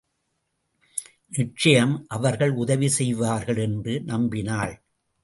நிச்சயம் அவர்கள் உதவி செய்வார்கள் என்று, நம்பினாள்.